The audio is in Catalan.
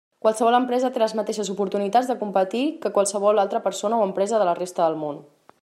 Qualsevol empresa té les mateixes oportunitats de competir que qualsevol altra persona o empresa de la resta del món.